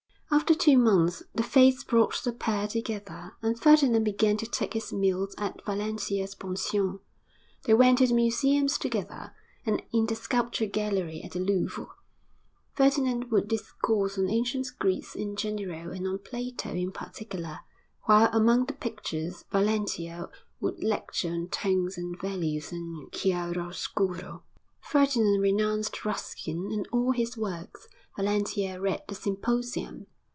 After two months, the Fates brought the pair together, and Ferdinand began to take his meals at Valentia's pension. They went to the museums together; and in the Sculpture Gallery at the Louvre, Ferdinand would discourse on ancient Greece in general and on Plato in particular, while among the pictures Valentia would lecture on tones and values and chiaroscuro. Ferdinand renounced Ruskin and all his works; Valentia read the Symposium.